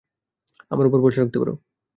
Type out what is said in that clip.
আমার ওপর ভরসা রাখতে পারো।